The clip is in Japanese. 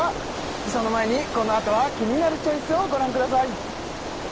その前にこのあとは「キニナルチョイス」をご覧ください！